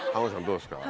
どうですかね？